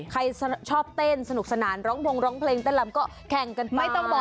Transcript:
ใครชอบเต้นสนุกสนานร้องตั้งแรมก็แข่งกันไป